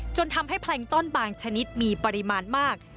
จนทำให้แพลงต้อนบางชนิดมีปริมาณมาก